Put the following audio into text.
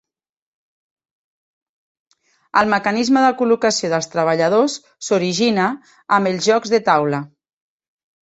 El mecanisme de col·locació dels treballadors s'origina amb els jocs de taula.